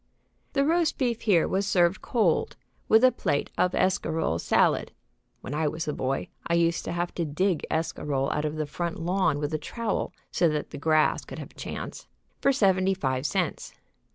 The roast beef here was served cold, with a plate of escarole salad (when I was a boy I used to have to dig escarole out of the front lawn with a trowel so that the grass could have a chance) for seventy five cents.